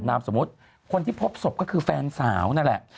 นามสมมุติคนที่พบศพก็คือแฟนสาวนั่นแหละ